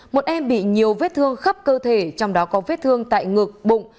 một em bị nhiều vết thương khắp cơ thể trong đó có vết thương tại ngực bụng